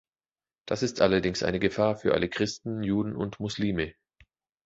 Das ist allerdings eine Gefahr für alle Christen, Juden und Muslime.